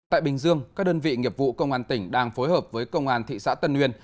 tại bình dương các đơn vị nghiệp vụ công an tỉnh đang phối hợp với công an thị xã tân uyên